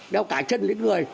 đeo cả chân lên người